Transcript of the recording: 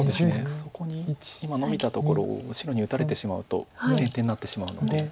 そこに今ノビたところを白に打たれてしまうと先手になってしまうので。